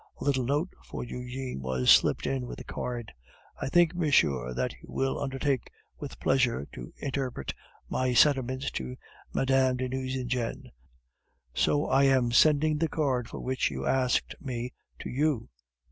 A little note for Eugene was slipped in with the card. "I think, monsieur, that you will undertake with pleasure to interpret my sentiments to Mme. de Nucingen, so I am sending the card for which you asked me to you.